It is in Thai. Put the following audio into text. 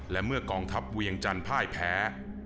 และเมื่อกองทัพเวียงจันทร์พ่ายแพ้